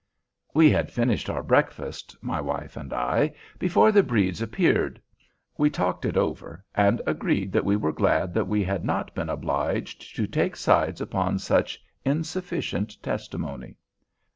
We had finished our breakfast, my wife and I, before the Bredes appeared. We talked it over, and agreed that we were glad that we had not been obliged to take sides upon such insufficient testimony.